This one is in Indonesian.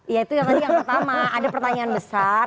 ya itu yang tadi yang pertama ada pertanyaan besar